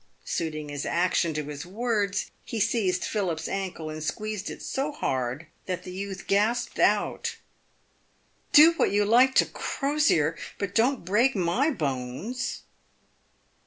Suiting his action to his words, he seized Philip's ankle, and squeezed it so hard, that the youth gasped out, " Do what you like to Crosier, but don't break my bones